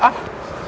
em hiểu thôi